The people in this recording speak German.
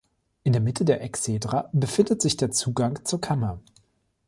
In der Mitte der Exedra befindet sich der Zugang zur Kammer.